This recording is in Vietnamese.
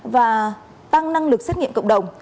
và tăng năng lực xét nghiệm cộng đồng